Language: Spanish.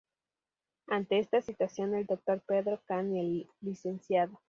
Ante esta situación, el Dr. Pedro Cahn y el Lic.